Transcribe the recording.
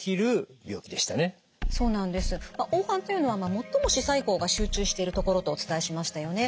黄斑というのは最も視細胞が集中しているところとお伝えしましたよね。